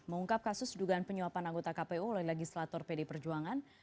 mengungkap kasus dugaan penyuapan anggota kpu oleh legislator pd perjuangan